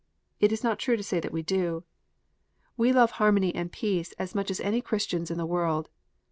It is not true to say that we do. We love har 14 KNOTS UNTIED. mony and peace as much as any Christians in the world.